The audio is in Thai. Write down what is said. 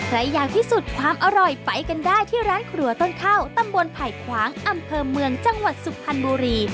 และอย่างที่สุดความอร่อยไปกันได้ที่ร้านครัวต้นข้าวตำบลไผ่ขวางอำเภอเมืองจังหวัดสุพรรณบุรี